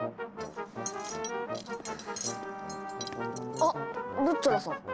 あルッチョラさん。